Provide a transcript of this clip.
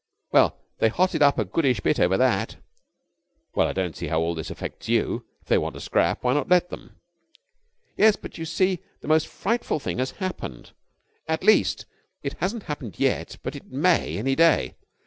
Well, they hotted up a goodish bit over that." "Well, I don't see how all this affects you. If they want to scrap, why not let them?" "Yes, but, you see, the most frightful thing has happened. At least, it hasn't happened yet, but it may any day.